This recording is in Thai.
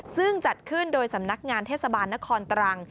ซึ่งจัดขึ้นโดยสำนักงานเทศบาลนครตรัง